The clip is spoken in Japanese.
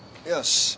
よし。